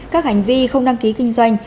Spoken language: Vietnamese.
các hành vi không đăng ký kinh doanh